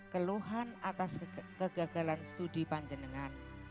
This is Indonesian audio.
keluhan atas kegagalan studi panjenengan